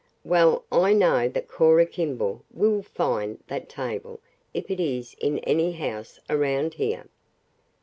"Well, I know that Cora Kimball will find that table if it is in any house around here.